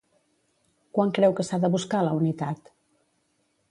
Quan creu que s'ha de buscar la unitat?